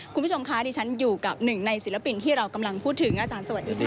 คุณผู้ชมคะดิฉันอยู่กับหนึ่งในศิลปินที่เรากำลังพูดถึงอาจารย์สวัสดีค่ะ